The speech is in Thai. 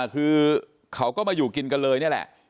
คือเขาก็มาอยู่กินกันเลยนี่แหละ